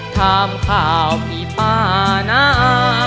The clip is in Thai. ถามข่าวพี่ป้านะ